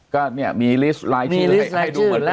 ก็เนี่ยมีลิสต์ไลน์ชื่อให้ดูเหมือนเป็นวงแชร์